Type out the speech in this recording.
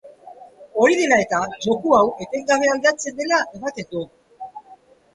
Hori dela eta, joko hau etengabe aldatzen dela ematen du.